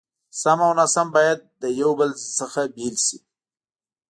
سم او ناسم بايد له يو بل څخه بېل شي.